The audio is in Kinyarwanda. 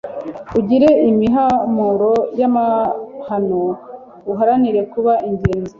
Ugire imihamuro y' amahano uharanire kuba ingenzi.